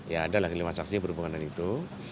ya ada lagi lima saksi yang berhubungan dengan itu